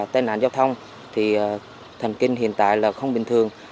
thành kinh hiện tại là không bình thường